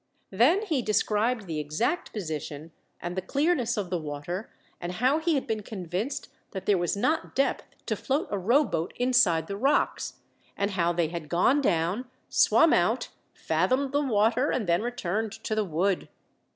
Then he described the exact position, and the clearness of the water, and how he had been convinced that there was not depth to float a rowboat inside the rocks; and how they had gone down, swum out, fathomed the water, and then returned to the wood.